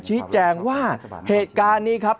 ชี้แจงว่าเหตุการณ์นี้ครับ